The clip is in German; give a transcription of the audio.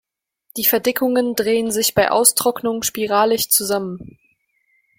Die Verdickungen drehen sich bei Austrocknung spiralig zusammen.